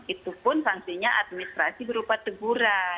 itu pun sanksinya administrasi berupa teguran